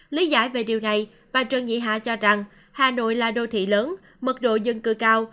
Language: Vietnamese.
lý giải về điều này bà trần nhị hạ cho rằng hà nội là đô thị lớn mật độ dân cư cao